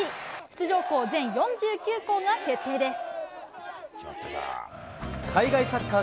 出場校全４９校が決定です。